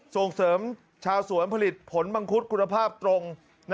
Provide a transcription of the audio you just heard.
ส่งเสริมชาวสวนผลิตผลมังคุดคุณภาพตรง